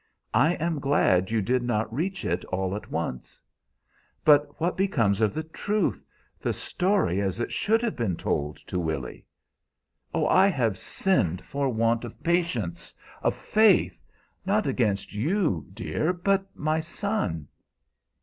I am glad you did not reach it all at once." "But what becomes of the truth the story as it should have been told to Willy? Oh, I have sinned, for want of patience, of faith not against you, dear, but my son!"